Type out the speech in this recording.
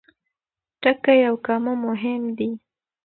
ټکی او کامه مهم دي.